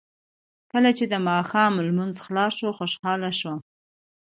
کله چې د ماښام لمونځ خلاص شو خوشاله شو.